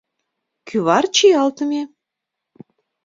Кӱвар чиялтыме.